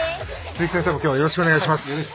鈴木先生も、きょうはよろしくお願いいたします。